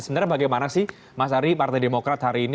sebenarnya bagaimana sih mas ari partai demokrat hari ini